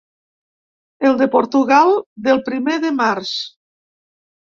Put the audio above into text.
El de Portugal, del primer de març.